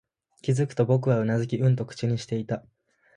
気づくと、僕はうなずき、うんと口にしていた